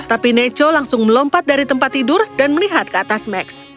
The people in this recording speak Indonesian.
tapi neco langsung melompat dari tempat tidur dan melihat ke atas max